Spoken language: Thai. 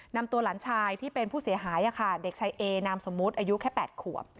นำตัวหลานชายที่เป็นผู้เสียหายเด็กชายเอนามสมมุติอายุแค่๘ขวบ